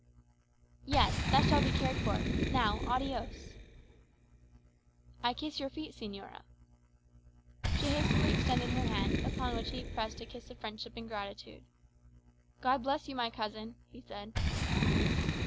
"Yes; that shall be cared for. Now, adios." "I kiss your feet, señora," She hastily extended her hand, upon which he pressed a kiss of friendship and gratitude. "God bless you, my cousin," he said.